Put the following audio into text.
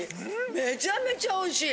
めちゃめちゃおいしい！